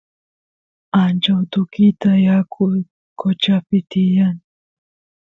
ancha utukita yaku qochapi tiyan